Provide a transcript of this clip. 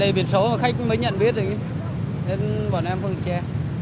đây biển số mà khách mới nhận biết thì bọn em vẫn che